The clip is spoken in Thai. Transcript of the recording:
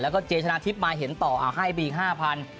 แล้วก็เจชนะทิพย์มาเห็นต่อให้ไปอีก๕๐๐บาท